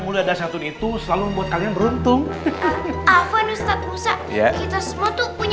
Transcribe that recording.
mulia dan santun itu selalu buat kalian beruntung apa nusa kita semua tuh punya